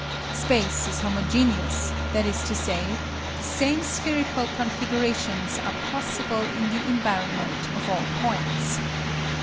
Space is homogeneous, that is to say, the same spherical configurations are possible in the environment of all points.